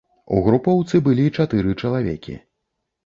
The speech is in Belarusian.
У групоўцы былі чатыры чалавекі.